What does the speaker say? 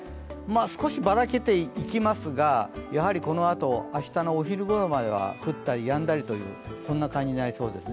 少しばらけていきますがやはりこのあと、明日のお昼ごろまでは降ったりやんだりという感じになりうです。